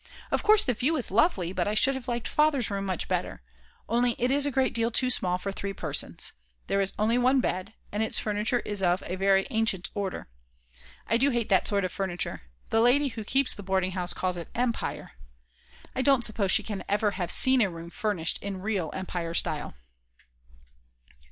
Of course the view is lovely, but I should have liked Father's room much better, only it is a great deal too small for three persons; there is only one bed and its furniture is of a very ancient order. I do hate that sort of furniture; the lady who keeps the boarding house calls it Empire!! I don't suppose she can ever have seen a room furnished in real Empire style.